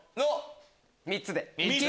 ３つで。